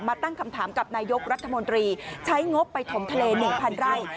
ตั้งคำถามกับนายกรัฐมนตรีใช้งบไปถมทะเล๑๐๐ไร่